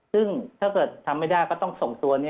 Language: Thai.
ซึ่งถ้าเกิดทำไม่ได้ก็ต้องส่งตัวนี้